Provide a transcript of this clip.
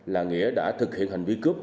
là nghĩa đã thực hiện hành vi cướp